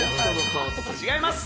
違います。